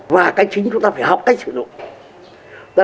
và cái chính chúng ta phải học cách sử dụng